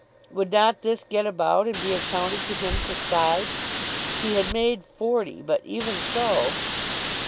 Would not this get about and be accounted to him for side? He had made forty, but even so....